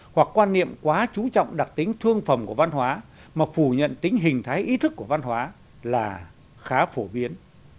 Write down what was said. hoặc quan niệm quá chú trọng đặc tính thương phẩm của văn hóa mà phủ nhận tính hình thái ý thức của văn hóa là khá phổ biến